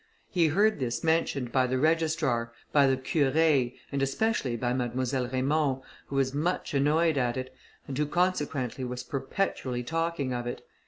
He heard this mentioned by the Registrar, by the Curé, and especially by Mademoiselle Raymond, who was much annoyed at it, and who, consequently, was perpetually talking of it.